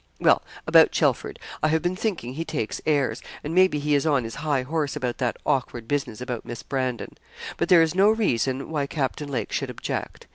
Well, about Chelford: I have been thinking he takes airs, and maybe he is on his high horse about that awkward business about Miss Brandon. But there is no reason why Captain Lake should object.